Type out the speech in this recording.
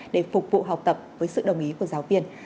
để phục vụ học tập với sự đồng ý của giáo viên